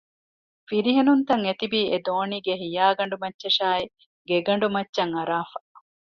ފިރިހެނުންތައް އެތިބީ އެދޯނީގެ ހިޔާގަނޑު މައްޗަށާއި ގެގަނޑުމައްޗަށް އަރާފަ